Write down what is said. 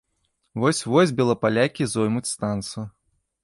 Вось-вось белапалякі зоймуць станцыю.